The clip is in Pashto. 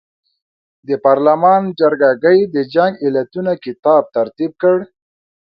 د پارلمان جرګه ګۍ د جنګ علتونو کتاب ترتیب کړ.